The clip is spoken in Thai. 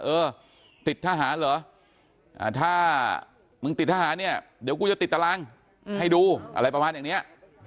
เออติดทหารเหรอถ้ามึงติดทหารเนี่ยเดี๋ยวกูจะติดตารางให้ดูอะไรประมาณอย่างนี้